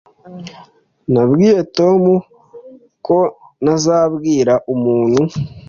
Nabwiye Tom ko ntazabwira umuntu.